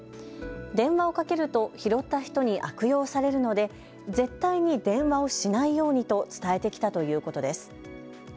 電話をかけると拾った人に悪用されるので絶対に電話をしないようにと伝えてきたということです。